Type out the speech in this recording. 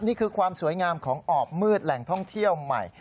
นี่คือความสวยงามของออบมืดแหล่งท่องเที่ยวใหม่